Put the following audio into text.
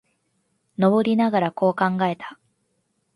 登りながら、こう考えた。